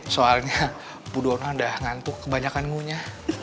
soalnya budona udah ngantuk kebanyakan ngunya